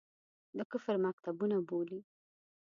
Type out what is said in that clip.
د کفر مکتبونه بولي.